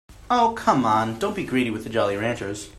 Oh, come on, don't be greedy with the Jolly Ranchers.